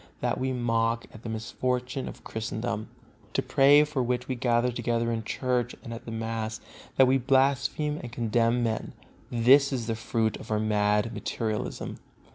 That we mock at the misfortune of Christendom, to pray for which we gather together in Church and at the mass, that we blaspheme and condemn men, this is the fruit of our mad materialism.